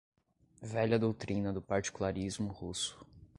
velha doutrina do particularismo russo